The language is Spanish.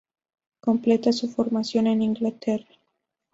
Completa su formación en Inglaterra.